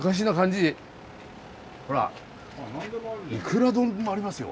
ほらいくら丼もありますよ。